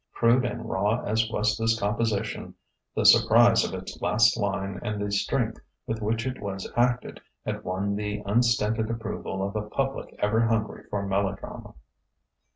Crude and raw as was this composition, the surprise of its last line and the strength with which it was acted, had won the unstinted approval of a public ever hungry for melodrama.